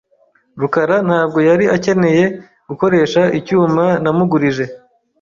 rukarantabwo yari akeneye gukoresha icyuma namugurije.